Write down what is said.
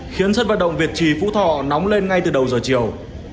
khiến sân vận động việt trì phú thọ nóng lên ngay từ đầu giờ chiều